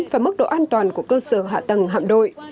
và mức độ an toàn của cơ sở hạ tầng hạm đội